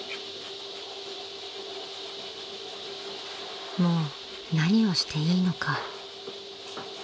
［もう何をしていいのか］